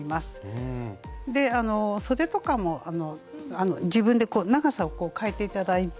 そでとかも自分で長さを変えて頂いて。